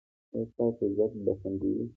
ایا ستاسو عزت به خوندي وي؟